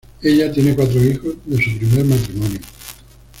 Ella tiene cuatro hijos, de su primer matrimonio.